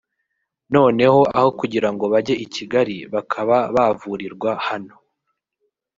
noneho aho kugira ngo bajye i Kigali bakaba bavurirwa hano”